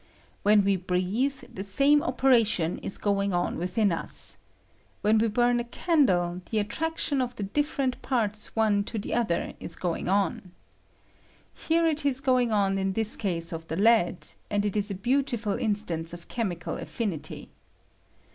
"When we breathe, the same operation is going on within 113. When we bum a candle, the attraction of the different parts one to the other is going on. Here it is going on in this case of the lead, and it is a beautiful instance of chemical affinity.